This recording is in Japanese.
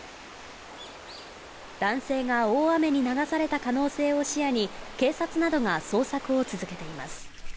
男性が大雨に流された可能性を視野に、警察などが捜査を続けています。